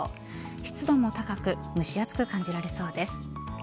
湿度も高く蒸し暑く感じられそうです。